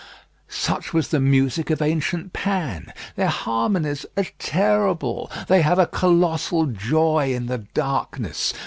Such was the music of ancient Pan. Their harmonies are terrible. They have a colossal joy in the darkness.